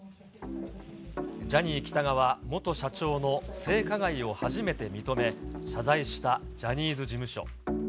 ジャニー喜多川元社長の性加害を初めて認め、謝罪したジャニーズ事務所。